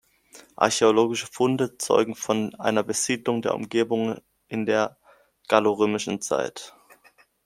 Archäologische Funde zeugen von einer Besiedlung der Umgebung in der gallo-römischen Zeit.